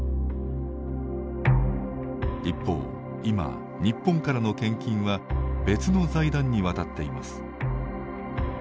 一方、今、日本からの献金は別の財団に渡っています。